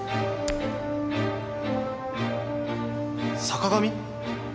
坂上？